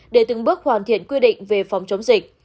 để từng bước hoàn thiện quy định về phòng chống dịch